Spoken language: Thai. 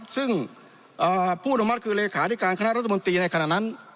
ซึ่งผู้อนุมัติคือเลขาธิการคณะรัฐมนตรีในขณะนั้น